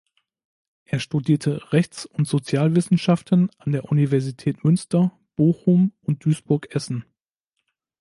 Er studierte Rechts- und Sozialwissenschaften an den Universitäten Münster, Bochum und Duisburg-Essen.